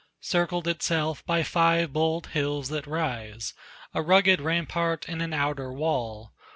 Circled itself by five bold hills that rise, A rugged, rampart and an outer wall.